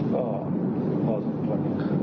ก็พอสองคน